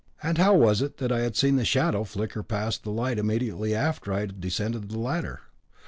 and how was it that I had seen the shadow flicker past the light immediately after I had descended the ladder?